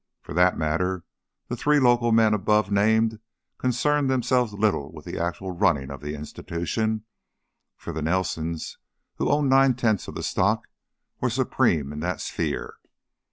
For that matter, the three local men above named concerned themselves little with the actual running of the institution, for the Nelsons, who owned nine tenths of the stock, were supreme in that sphere.